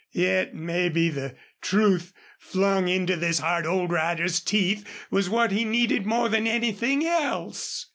Yet, maybe the truth flung into this hard old rider's teeth was what he needed more than anything else.